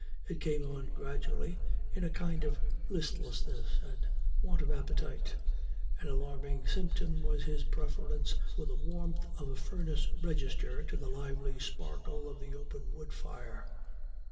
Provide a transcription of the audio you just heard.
It came on gradually, in a kind of listlessness and want of appetite. An alarming symptom was his preference for the warmth of a furnace register to the lively sparkle of the open wood fire.